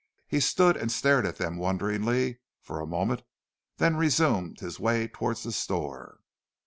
He stood and stared at them wonderingly for a moment, then resumed his way towards the store.